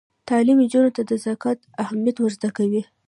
تعلیم نجونو ته د زکات اهمیت ور زده کوي.